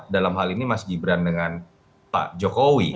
dalam hal ini mas gibran dengan pak jokowi